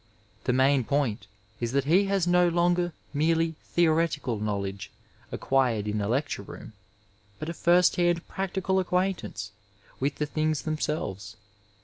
The main point is that he has no longer merely theoretical knowledge acquired in a lecture room, but a first hand practical acquaintance with the things themselves.